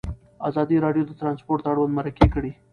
ازادي راډیو د ترانسپورټ اړوند مرکې کړي.